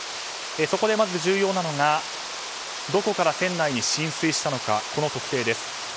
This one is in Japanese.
そこでまず重要なのがどこから船内に浸水したのかこの特定です。